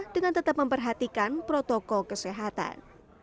dengan tetap memperhatikan protokol kesehatan